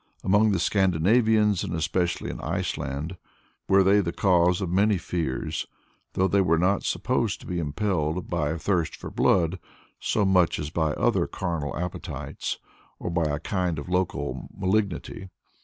Among the Scandinavians and especially in Iceland, were they the cause of many fears, though they were not supposed to be impelled by a thirst for blood so much as by other carnal appetites, or by a kind of local malignity.